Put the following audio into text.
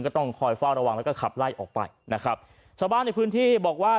ก็ต้องคอยเฝ้าระวังแล้วก็ขับไล่ออกไปนะครับชาวบ้านในพื้นที่บอกว่า